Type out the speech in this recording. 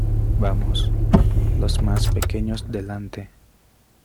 Vamos, los más pequeños delante.